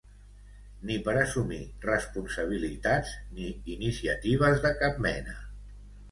Ni per assumir responsabilitats, ni iniciatives de cap mena.